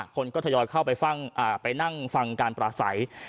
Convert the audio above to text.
คนก็ทยอยเข้าไปนั่งฟังการปราศัย